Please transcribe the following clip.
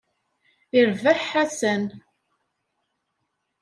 Irbeḥ Ḥasan.